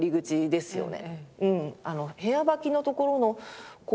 ですよね。